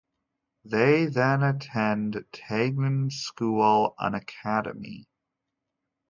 They then attend Teign school, an Academy.